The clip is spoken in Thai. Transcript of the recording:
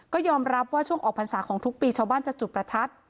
ก็ยอมรับว่าช่วงออกพรรษาของทุกปีชาวบ้านจะจุดประทัด